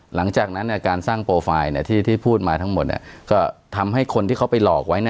หลังจากนั้นการสร้างโปรไฟล์ที่พูดมาทั้งหมดก็ทำให้คนที่เขาไปหลอกไว้